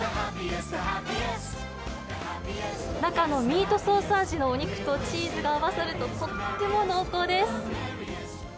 中のミートソース味のお肉とチーズが合わさると、とっても濃厚です。